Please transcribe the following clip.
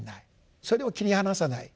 それを切り離さない。